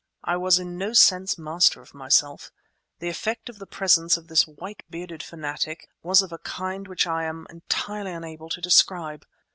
I was in no sense master of myself; the effect of the presence of this white bearded fanatic was of a kind which I am entirely unable to describe.